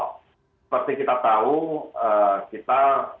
seperti kita tahu kita